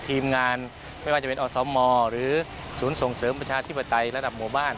ทีมงานไม่ว่าจะเป็นอสมหรือศูนย์ส่งเสริมประชาธิปไตยระดับหมู่บ้าน